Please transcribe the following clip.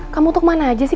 kamu untuk mana aja sih